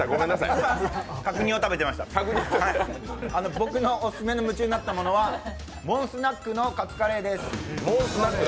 僕のオススメの夢中になったものはモンスナックのカツカレーです。